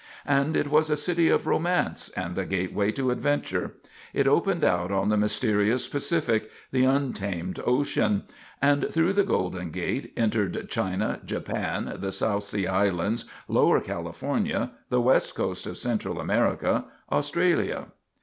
And it was a city of romance and a gateway to adventure. It opened out on the mysterious Pacific, the untamed ocean; and through the Golden Gate entered China, Japan, the South Sea Islands, Lower California, the west coast of Central America, Australia.